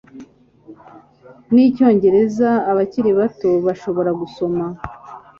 n'Icyongereza abakiri bato bashobora gusoma